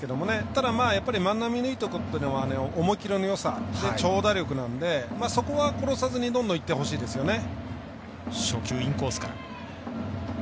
ただ、万波のいいところは思い切りのよさ、長打力なのでそこは殺さずにどんどんいってほしいですよね。